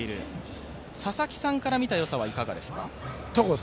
佐々木さんから見たよさはいかがですか？